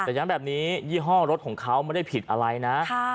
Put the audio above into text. แต่ย้ำแบบนี้ยี่ห้อรถของเขาไม่ได้ผิดอะไรนะ